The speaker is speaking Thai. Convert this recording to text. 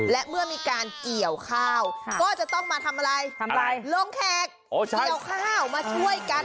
และเมื่อมีการเกี่ยวข้าวก็จะต้องมาทำอะไรทำอะไรลงแขกเกี่ยวข้าวมาช่วยกัน